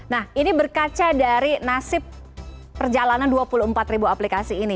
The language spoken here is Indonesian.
nah ini berkaca dari nasib perjalanan dua puluh empat ribu aplikasi ini